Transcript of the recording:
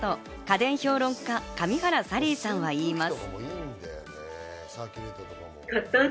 家電評論家、神原サリーさんは言います。